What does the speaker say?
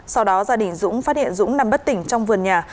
sau đó gia đình dũng phát hiện dũng nằm bất tỉnh trong vườn nhà